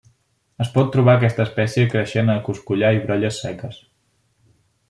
Es pot trobar aquesta espècie creixent a coscollar i brolles seques.